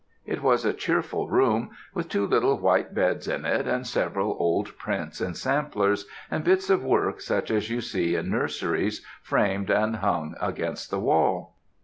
It was a cheerful room, with two little white beds in it, and several old prints and samplers, and bits of work such as you see in nurseries, framed and hung against the wall.